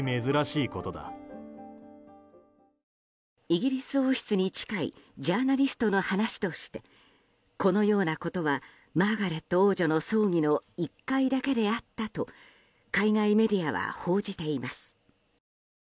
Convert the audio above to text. イギリス王室に近いジャーナリストの話としてこのようなことはマーガレット王女の葬儀の１回だけであったと海外メディアは報じています。